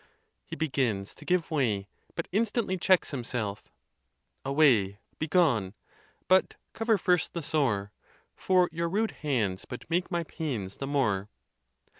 He begins to give way, but instantly checks himself: Away ! begone! but cover first the sore ; For your rvde hands but make my pains the more.